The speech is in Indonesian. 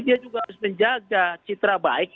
dia juga harus menjaga citra baik